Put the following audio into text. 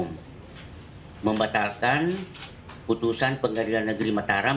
mahkamah agung membatalkan putusan pengadilan negeri mataram